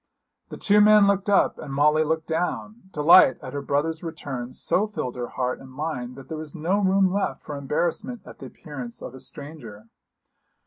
The two men looked up, and Molly looked down. Delight at her brother's return so filled her heart and mind that there was no room left for embarrassment at the appearance of a stranger.